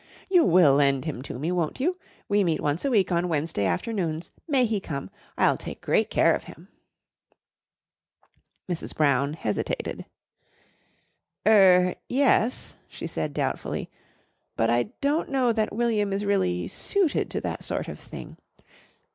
You will lend him to me, won't you? We meet once a week, on Wednesday afternoons. May he come? I'll take great care of him." Mrs. Brown hesitated. "Er yes," she said doubtfully. "But I don't know that William is really suited to that sort of thing.